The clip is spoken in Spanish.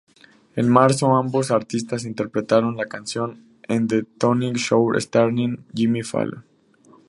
En marzo, ambos artistas interpretaron la canción en "The Tonight Show Starring Jimmy Fallon.